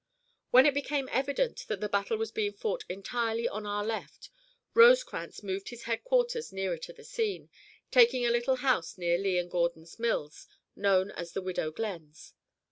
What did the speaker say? When it became evident that the battle was being fought entirely on our left, Rosecrans removed his headquarters nearer to the scene, taking a little house near Lee and Gordon's Mills, known as the Widow Glenn's.